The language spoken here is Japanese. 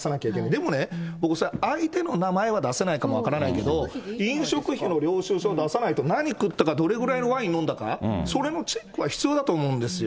でもね、僕、相手の名前は出せないかも分からないけど、飲食費の領収書を出さないと、何食ったか、どれくらいのワイン飲んだか、それくらいのチェックは必要だと思うんですよ。